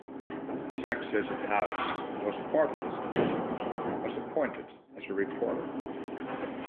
Jacques-Joseph Haus, who was part of this commission, was appointed as reporter.